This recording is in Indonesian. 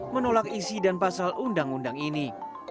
menolak isi dan pasal undang undang ini